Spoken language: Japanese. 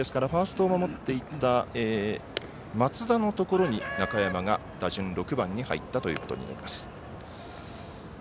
ファーストを守っていた松田のところに中山が打順６番に入ったということになります。